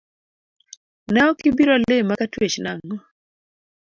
Ne ok ibiro lima katuech nango?